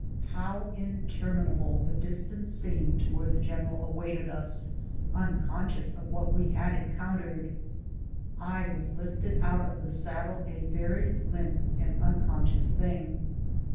IIow interminable tlie distance seemed to where the general awaited us, unconscious of what we had encountered ! I was lifted out of the saddle a very limp and unconscious thing.